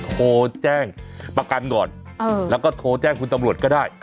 โทรแจ้งประกันก่อนแล้วก็โทรแจ้งคุณตำรวจก็ได้